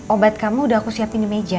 obat kamu udah aku siapin di meja